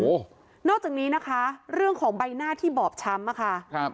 โอ้โหนอกจากนี้นะคะเรื่องของใบหน้าที่บอบช้ำอะค่ะครับ